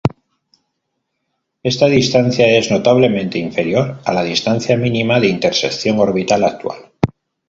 Esta distancia es notablemente inferior a la distancia mínima de intersección orbital actual.